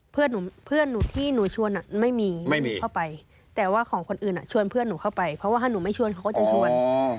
เพื่อนหนูที่หนูชวนไม่มีไม่มีเข้าไปแต่ว่าของคนอื่นชวนเพื่อนหนูเข้าไปเพราะว่าถ้าหนูไม่ชวนเขาก็จะชวน